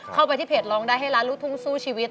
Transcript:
เข้าไปที่เพจร้องได้ให้ล้านลูกทุ่งสู้ชีวิต